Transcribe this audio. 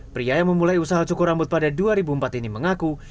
pria yang memulai usaha cukur rambut pada dua ribu empat ini mengaku